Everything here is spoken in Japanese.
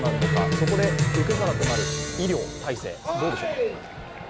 そこで受け皿となる医療体制、どうでしょう？